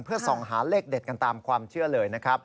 เพื่อส่องหาเลขเด็ดกันตามความเชื่อเลยนะครับ